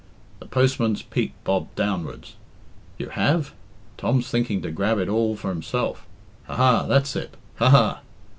The postman's peak bobbed downwards. "You have? Tom's thinking to grab it all for himself. Ha, ha! That's it! Ha, ha!"